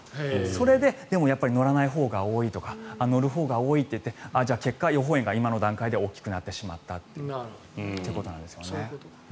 それで、でも乗らないほうが多いとか乗るほうが多いといってじゃあ結果、予報円が今の段階では大きくなってしまったということなんですよね。